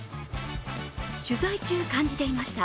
取材中、感じていました。